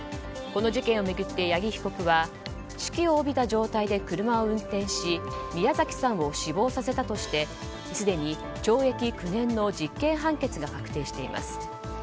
この事件を巡って八木被告は酒気を帯びた状態で車を運転し宮崎さんを死亡させたとしてすでに懲役９年の実刑判決が確定しています。